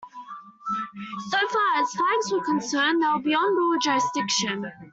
So far as flags were concerned, they were beyond all jurisdiction.